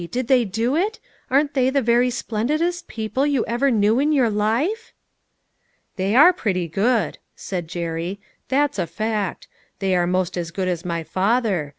Did they do it ? Aren't they the very splendidest people you ever knew in your life?" " They are pretty good," said Jerry, " that's a fact ; they are most as good as my father.